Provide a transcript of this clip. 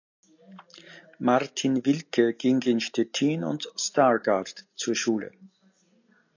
Martin Wilke ging in Stettin und Stargard zur Schule.